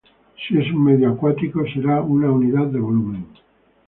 Si es un medio acuático será una unidad de volumen.